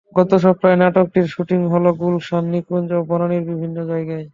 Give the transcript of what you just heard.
গত সপ্তাহে নাটকটির শুটিং হলো গুলশান, নিকুঞ্জ ও বনানীর বিভিন্ন জায়গায়।